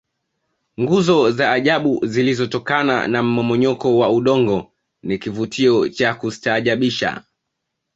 nguzo za ajabu zilizotokana na mmomonyoko wa udongo ni kivutio cha kustaajabisha